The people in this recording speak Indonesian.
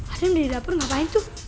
adam di dapur ngapain tuh